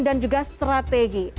dan juga strategi